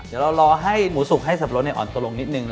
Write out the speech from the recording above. เดี๋ยวเรารอให้หมูสุกให้สับปะรดอ่อนตัวลงนิดนึง